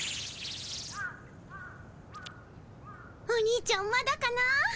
おにいちゃんまだかな。